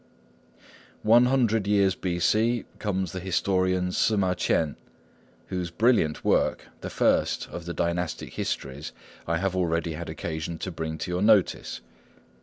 One hundred years B.C. comes the historian Ssŭ ma Ch'ien, whose brilliant work, the first of the Dynastic Histories, I have already had occasion to bring to your notice.